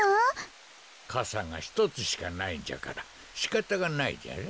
かさがひとつしかないんじゃからしかたがないじゃろう。